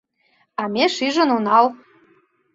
А ме шижын онал.